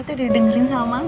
ayah ko personality